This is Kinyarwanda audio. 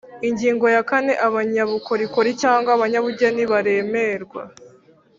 Ingingo ya kane Abanyabukorikori cyangwa abanyabugeni baremerwa